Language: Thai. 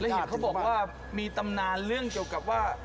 เห็นเขาบอกว่ามีตำนานเรื่องเกี่ยวกับว่า